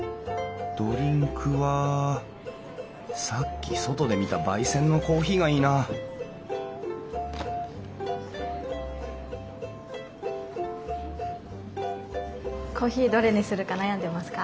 ドリンクはさっき外で見た焙煎のコーヒーがいいなぁコーヒーどれにするか悩んでますか？